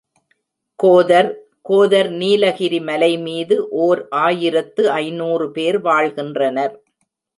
கோதர் கோதர் நீலகிரி மலைமீது ஓர் ஆயிரத்து ஐநூறு பேர் வாழ்கின்றனர்.